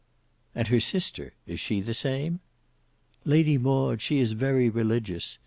"And her sister, is she the same?" "Lady Maud: she is very religious.